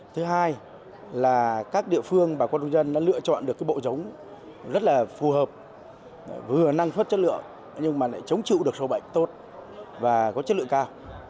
thứ hai là các địa phương bà con nông dân đã lựa chọn được bộ giống rất là phù hợp vừa năng suất chất lượng nhưng mà lại chống chịu được sâu bệnh tốt và có chất lượng cao